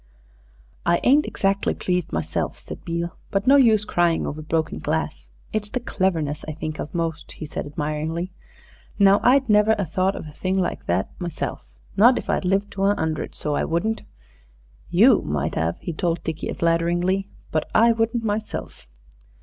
"I ain't exactly pleased myself," said Beale, "but no use crying over broken glass. It's the cleverness I think of most," he said admiringly. "Now I'd never a thought of a thing like that myself not if I'd lived to a hundred, so I wouldn't. You might 'ave," he told Dickie flatteringly, "but I wouldn't myself."